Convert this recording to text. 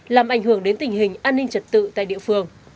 làm ảnh hưởng đến tình hình an ninh trật tự tại địa phương